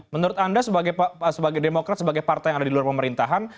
menurut anda sebagai demokrat sebagai partai yang ada di luar pemerintahan